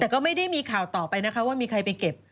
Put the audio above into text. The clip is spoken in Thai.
แต่ก็ไม่ได้มีข่าวต่อไปนะคะว่ามีใครไปเก็บ